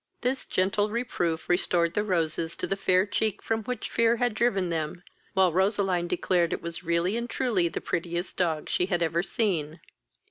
This gentle reproof restored the roses to the fair cheek from which fear had driven them, while Roseline declared it was really and truly the prettiest dog she had ever seen.